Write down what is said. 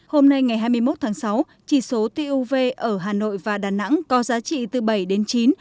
hôm nay ngày hai mươi một tháng sáu chỉ số tuv ở hà nội và đà nẵng có giá trị từ bảy đến chín